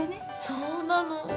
そうなの。